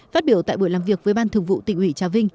phát biểu tại buổi làm việc với ban thường vụ tỉnh ủy trà vinh